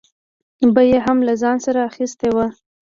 به یې هم له ځان سره اخیستې وه.